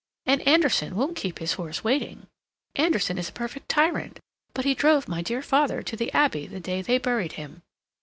And Anderson won't keep his horse waiting. (Anderson is a perfect tyrant, but he drove my dear father to the Abbey the day they buried him.)